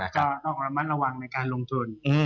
เจ้ากรรมรามันระวังในการลงทุน